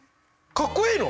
かっこいいの？